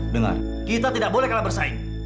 dengar kita tidak boleh kalah bersaing